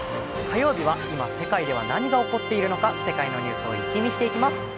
火曜日は今、世界では何が起こっているのか、世界のニュースを一気見していきます。